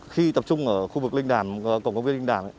khi tập trung ở khu vực linh đàm cổng công viên linh đảng